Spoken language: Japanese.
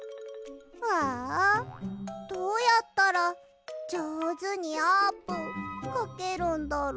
ああどうやったらじょうずにあーぷんかけるんだろ。